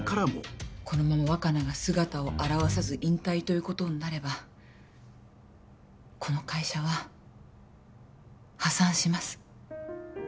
このまま若菜が姿を現さず引退ということになればこの会社は破産します。